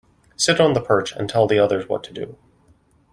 Sit on the perch and tell the others what to do.